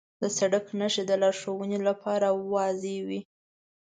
د سړک نښې د لارښوونې لپاره واضح وي.